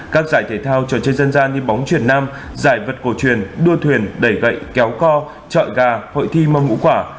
các giải thể thao trò chơi dân gian như bóng truyền nam giải vật cổ truyền đua thuyền đẩy gậy kéo co trọi gà hội thi mong ngũ quả